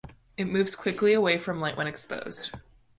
It moves quickly away from light when exposed.